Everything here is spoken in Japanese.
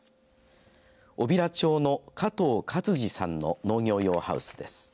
小平町の加藤勝治さんの農業用ハウスです。